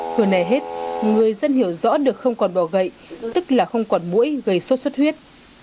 hồi này hết người dân hiểu rõ được không còn bỏ gậy tức là không còn mũi gây sốt xuất huyết